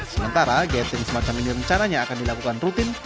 sementara gathering semacam ini rencananya akan dilakukan rutin